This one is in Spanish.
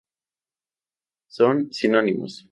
Son sinónimos.